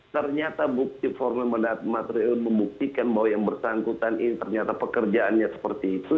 ternyata bukti formil material membuktikan bahwa yang bersangkutan ini ternyata pekerjaannya seperti itu